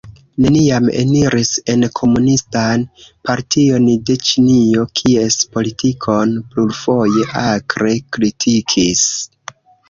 Neniam eniris en Komunistan Partion de Ĉinio, kies politikon plurfoje akre kritikis.